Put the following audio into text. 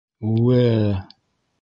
— Ү-үе-е...